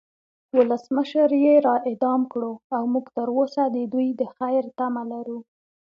ولسمشر یی را اعدام کړو او مونږ تروسه د دوی د خیر تمه لرو